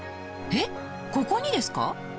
えっここにですか？